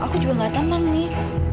aku juga gak tenang nih